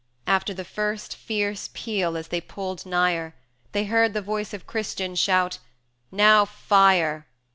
300 After the first fierce peal as they pulled nigher, They heard the voice of Christian shout, "Now, fire!"